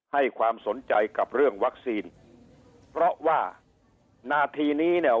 ให้ความสนใจกับเรื่องวัคซีนเพราะว่านาทีนี้เนี่ย